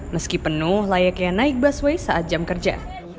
meski penuh layaknya naik busway saat jam kerja